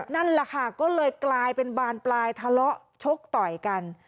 นั่นแหละค่ะก็เลยกลายเป็นบานปลายทะเลาะชกต่อยกัน